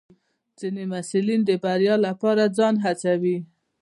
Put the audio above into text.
ځینې محصلین د بریا لپاره ځان هڅوي.